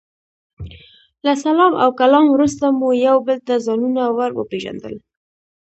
له سلام او کلام وروسته مو یو بل ته ځانونه ور وپېژندل.